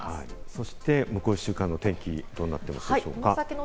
そして向こう１週間の天気はどうなっていますでしょうか？